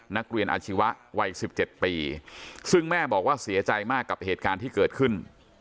นักเรียนอาชีวะวัย๑๗ปีซึ่งแม่บอกว่าเสียใจมากกับเหตุการณ์ที่เกิดขึ้น